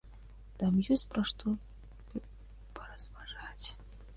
Там ёсць пра што паразважаць.